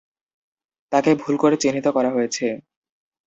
তাকে ভুল করে চিহ্নিত করা হয়েছে।